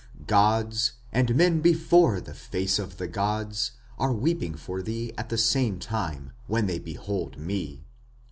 Gods and men before the face of the gods are weeping for thee at the same time, when they behold me!...